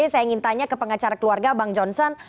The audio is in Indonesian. saya ingin tanya ke pengacara keluarga bang johnson